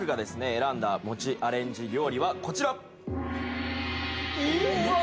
選んだ餅アレンジ料理はこちらえっ？